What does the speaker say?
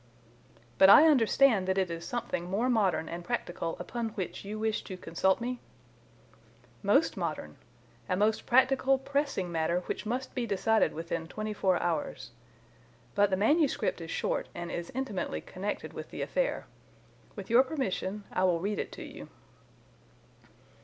"But I understand that it is something more modern and practical upon which you wish to consult me?" "Most modern. A most practical, pressing matter, which must be decided within twenty four hours. But the manuscript is short and is intimately connected with the affair. With your permission I will read it to you."